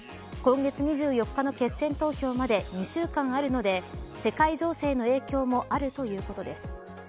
今月２４日の決選投票まで２週間あるので世界情勢の影響もあるということです。